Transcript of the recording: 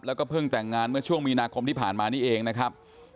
แล้วก็เพิ่งแต่งงานเมื่อช่วงมีนาคมที่ผ่านมานี่เองนะครับ